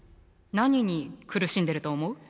何に苦しんでると思う？